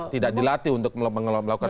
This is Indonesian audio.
tidak dilatih untuk melakukan pengelolaan rutan